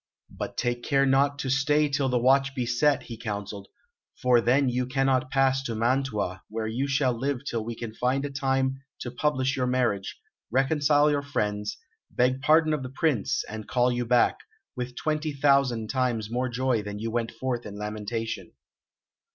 "But take care not to stay till the watch be set," he counselled, "for then you cannot pass to Mantua, where you shall live till we can find a time to publish your marriage, reconcile your friends, beg pardon of the Prince, and call you back, with twenty hundred thousand times more joy than you went forth in lamentation."